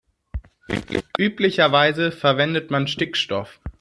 Üblicherweise verwendet man Stickstoff.